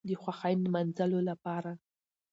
د خوښۍ نماځلو لپاره